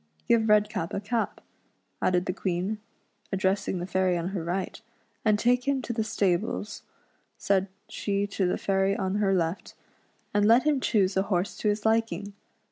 Give Redcap a cap," added the Queen, addressing the fairy on her right ;" and take him to the stables," said she to the fairy on her left, "and let him choose a horse to his liking.